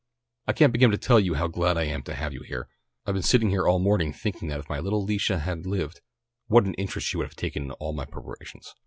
I can't begin to tell you how glad I am to have you here. I've been sitting here all morning thinking that if my little Alicia had lived what an interest she would have taken in all my preparations.